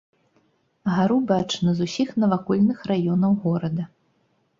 Гару бачна з усіх навакольных раёнаў горада.